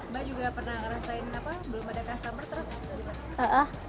mbak juga pernah ngerasain apa belum ada customer terus